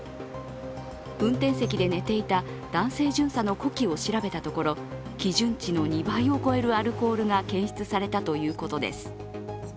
運転席で寝ていた男性巡査の呼気を調べたところ基準値の２倍を超えるアルコールが検出されたということです。